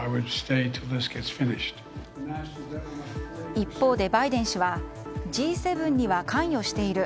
一方で、バイデン氏はＧ７には関与している。